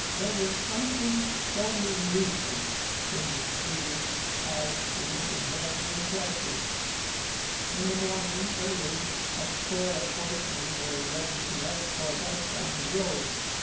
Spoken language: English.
There was something so illusive in the scene 143 as to make it very impressive. In the morning, early, a score of horsemen were ready to escort us on the road.